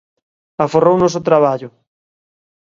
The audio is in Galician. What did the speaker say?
Aforrounos o traballo.